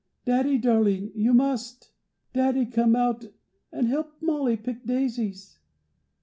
Daddy darling, you must! Daddy come out and help Molly pick daisies!"